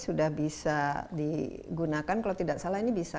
sudah bisa digunakan kalau tidak salah ini bisa